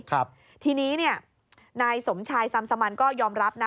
ทีนี้เนี่ยนายสมชายซัมสมันก็ยอมรับนะ